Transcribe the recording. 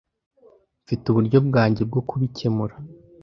Mfite uburyo bwanjye bwo kubikemura.